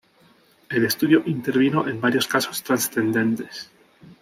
El estudio intervino en varios casos trascendentes.